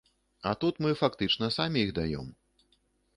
А тут мы фактычна самі іх даём.